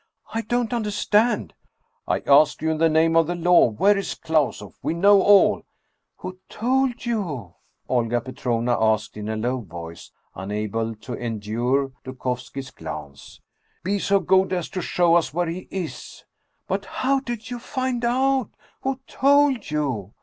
" I don't understand !"" I ask you in the name of the law ! Where is Klausoff ? We know all !"" Who told you ?" Olga Petrovna asked in a low voice, unable to endure Dukovski's glance. " Be so good as to show us where he is !"" But how did you find out? Who told you?